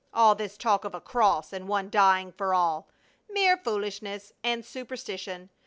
All this talk of a cross, and one dying for all! Mere foolishness and superstition!